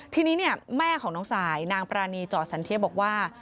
ทีนี้เนี่ยแม่ของน้องสายนางปรานีจ่อสันเทียบอกว่า